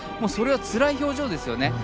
それはつらい表情ですよね。